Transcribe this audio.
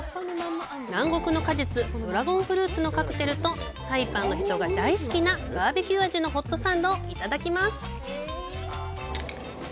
南国の果実ドラゴンフルーツのカクテルとサイパンの人が大好きなバーベキュー味のホットサンドをいただきます。